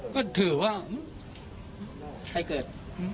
ก็ถือว่าใครเกิด